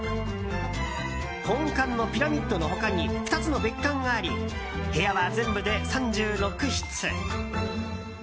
本館のピラミッドの他に２つの別館があり部屋は全部で３６室。